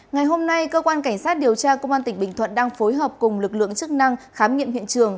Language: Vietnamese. ngày hôm nay cơ quan cảnh sát điều tra công an tỉnh bình thuận đang phối hợp cùng lực lượng chức năng khám nghiệm hiện trường